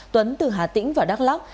tuấn từ hà tĩnh vào đắk lóc